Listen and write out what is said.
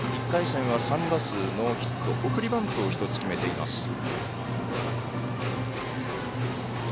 １回戦は３打数ノーヒット送りバントを１つ決めています。